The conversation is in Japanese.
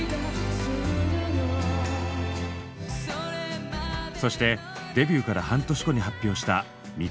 そしてデビューから半年後に発表した「三日月」。